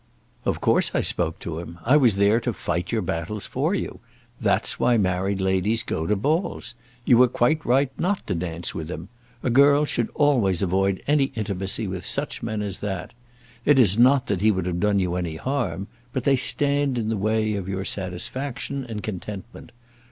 "Of course I spoke to him. I was there to fight your battles for you. That's why married ladies go to balls. You were quite right not to dance with him. A girl should always avoid any intimacy with such men as that. It is not that he would have done you any harm; but they stand in the way of your satisfaction and contentment.